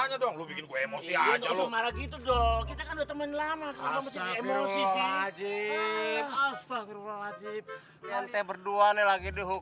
yang bakal jadi madu gue nih